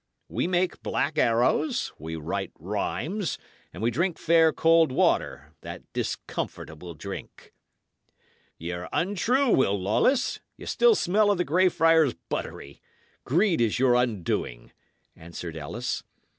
We make black arrows, we write rhymes, and we drink fair cold water, that discomfortable drink." "Y' are untrue, Will Lawless. Ye still smell of the Grey Friars' buttery; greed is your undoing," answered Ellis.